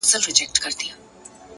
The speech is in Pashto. حوصله د وخت ملګرې ده،